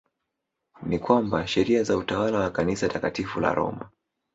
Ni kwamba sheria za utawala wa kanisa Takatifu la Roma